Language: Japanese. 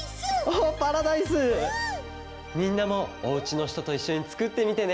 みんなもおうちのひとといっしょにつくってみてね！